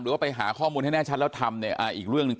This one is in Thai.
ว่าไปหาข้อมูลให้แน่ชัดแล้วทำเนี่ยอีกเรื่องหนึ่ง